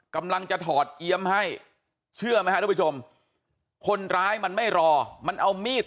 กำลังจะถอดเอี๊ยมให้เชื่อไหมครับทุกผู้ชมคนร้ายมันไม่รอมันเอามีด